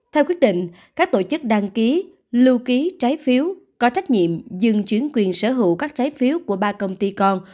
theo quyết định các tổ chức đăng ký lưu ký trái phiếu có trách nhiệm dừng chuyển quyền sở hữu các trái phiếu của ba công ty con